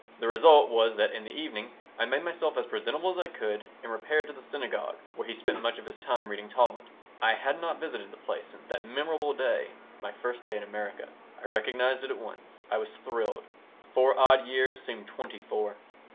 The result was that in the evening I made myself as presentable as I could, and repaired to the synagogue where he spent much of his time reading Talmud I had not visited the place since that memorable day, my first day in America. I recognized it at once. I was thrilled. The four odd years seemed twenty four.